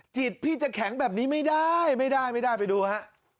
จิตพี่จะแข็งแบบนี้ไม่ได้ไม่ได้ไปดูฮะ